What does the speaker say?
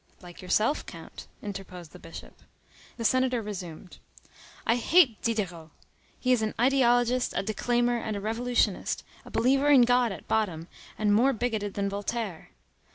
"Like yourself, Count," interposed the Bishop. The senator resumed:— "I hate Diderot; he is an ideologist, a declaimer, and a revolutionist, a believer in God at bottom, and more bigoted than Voltaire.